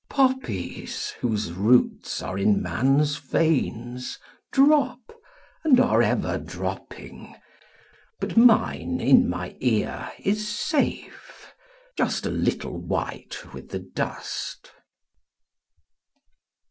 Poppies whose roots are in man's veins Drop, and are ever dropping ; But mine in my ear is safe, Just a little white with the dust.